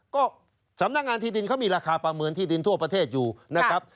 ก็สำนักงานที่ดินเขามีราคาประเมินที่ดินทั่วประเทศอยู่นะครับ